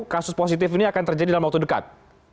kasus positif ini akan terjadi dalam waktu dekat